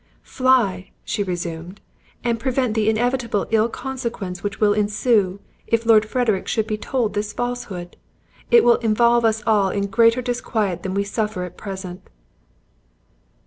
"Fly," she resumed, "and prevent the inevitable ill consequence which will ensue, if Lord Frederick should be told this falsehood. It will involve us all in greater disquiet than we suffer at present."